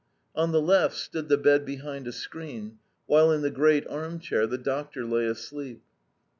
On the left stood the bed behind a screen, while in the great arm chair the doctor lay asleep.